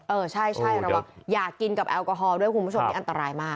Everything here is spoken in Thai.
เออใช่ระวังอยากกินกับแอลกอฮอลด้วยคุณผู้ชมนี่อันตรายมาก